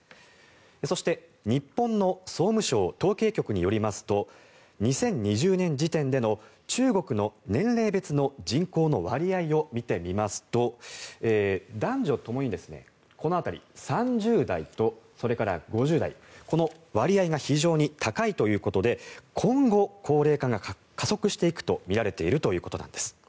そして日本の総務省統計局によりますと２０２０年時点での中国の年齢別の人口の割合を見てみますと男女ともにこの辺り３０代と、それから５０代この割合が非常に高いということで今後、高齢化が加速していくとみられているということです。